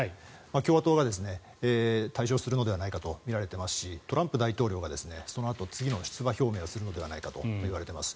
共和党が大勝するのではないかとみられていますしトランプ大統領が次の出馬表明をするのではないかといわれています。